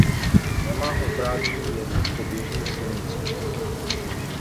Nemá oprávnění jezdit po běžných silnicích.